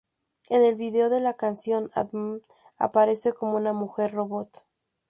En el vídeo de la canción, Adams aparece con una mujer robot.